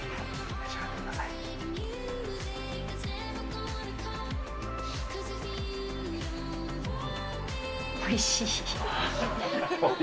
召し上がってください。